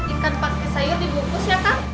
ikan pati sayur dibukus ya kang